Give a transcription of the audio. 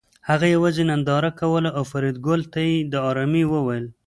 هغه یوازې ننداره کوله او فریدګل ته یې د ارامۍ وویل